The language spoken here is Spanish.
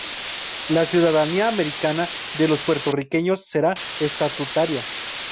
La ciudadanía americana de los puertorriqueños será estatutaria.